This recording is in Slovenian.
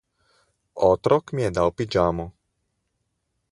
Otrok mi je dal pižamo.